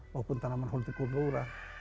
maupun tanaman hultikulura